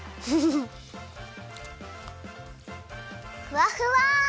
ふわふわ！